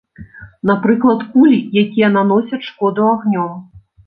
Напрыклад, кулі, якія наносяць шкоду агнём.